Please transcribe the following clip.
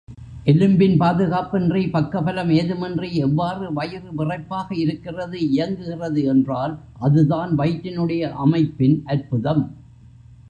எலும்பின் பாதுகாப்பின்றி, பக்கபலம் எதுவுமின்றி, எவ்வாறு வயிறு விறைப்பாக இருக்கிறது, இயங்குகிறது என்றால், அதுதான் வயிற்றினுடைய அமைப்பின் அற்புதம்.